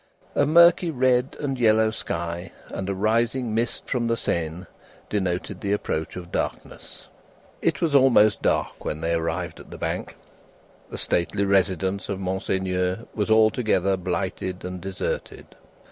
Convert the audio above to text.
A murky red and yellow sky, and a rising mist from the Seine, denoted the approach of darkness. It was almost dark when they arrived at the Bank. The stately residence of Monseigneur was altogether blighted and deserted.